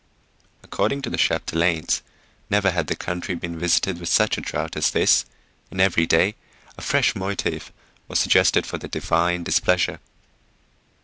According to the Chapdelaines, never had the country been visited with such a drought as this, and every day a fresh motive was suggested for the divine displeasure.